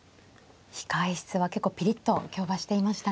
控え室は結構ピリッと今日はしていましたね。